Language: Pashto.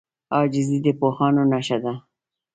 عاجزي د پوهانو نښه ده.